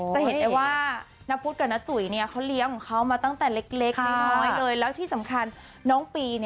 จะเห็นได้ว่าน้าพุธกับหน้าจุ๋ยเกี่ยวเขาเลี้ยงมาตั้งแต่เล็กน้องปี